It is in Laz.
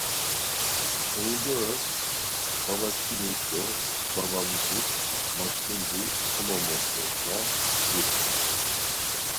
Hemindoras baba çkimik do baba muşik matzǩindi komomodvesna diven.